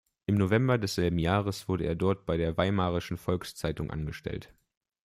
Im November desselben Jahres wurde er dort bei der "Weimarischen Volkszeitung" angestellt.